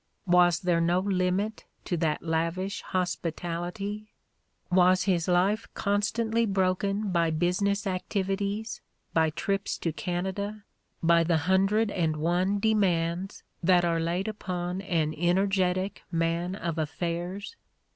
Was there no limit to that lavish hospitality ? Was his life constantly broken by business activities, by trips to Canada, by the hundred and one demands that are laid upon an ener getic man of affairs